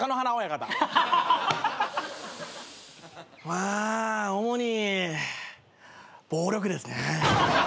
まあ主に暴力ですね。